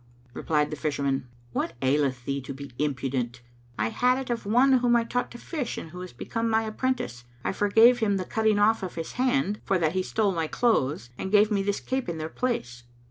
Replied the Fisherman, "What aileth thee to be impudent? I had it of one whom I taught to fish and who is become my apprentice. I forgave him the cutting off of his hand [FN#229] for that he stole my clothes and gave me this cape in their place."